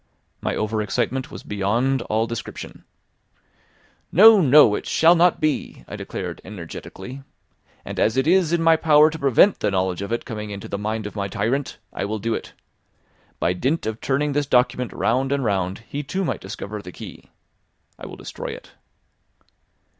My over excitement was beyond all description. "No! no! it shall not be," I declared energetically; "and as it is in my power to prevent the knowledge of it coming into the mind of my tyrant, I will do it. By dint of turning this document round and round, he too might discover the key. I will destroy it."